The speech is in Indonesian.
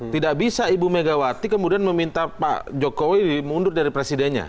tidak bisa ibu megawati kemudian meminta pak jokowi mundur dari presidennya